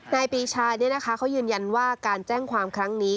ในปีชายนี้นะคะเค้ายืนยันว่าการแจ้งความครั้งนี้